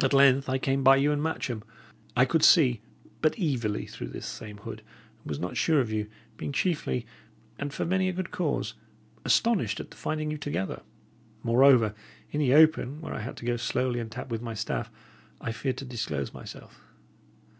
At length I came by you and Matcham. I could see but evilly through this same hood, and was not sure of you, being chiefly, and for many a good cause, astonished at the finding you together. Moreover, in the open, where I had to go slowly and tap with my staff, I feared to disclose myself.